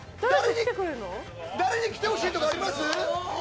誰に来てほしいとかあります？